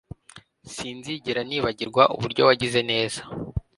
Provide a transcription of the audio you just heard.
S Sinzigera nibagirwa uburyo wagize neza